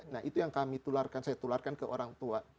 nah itu yang kami tularkan saya tularkan ke orang tua